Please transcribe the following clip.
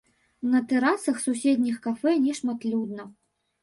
На тэрасах суседніх кафэ нешматлюдна.